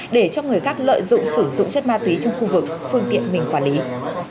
để cho người khác lợi dụng sử dụng chất ma túy trong khu vực phương tiện mình quản lý